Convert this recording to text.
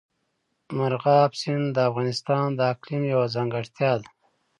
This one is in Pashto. مورغاب سیند د افغانستان د اقلیم یوه ځانګړتیا ده.